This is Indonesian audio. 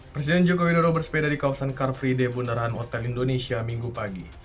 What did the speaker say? presiden joko widodo bersepeda di kawasan car free day bundaran hotel indonesia minggu pagi